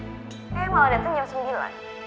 eh malah dateng jam sembilan